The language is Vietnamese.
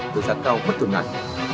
từ giá cao bất thường ngắn